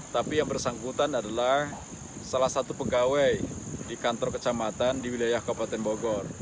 tapi yang bersangkutan adalah salah satu pegawai di kantor kecamatan di wilayah kabupaten bogor